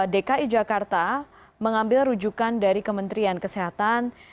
dki jakarta mengambil rujukan dari kementerian kesehatan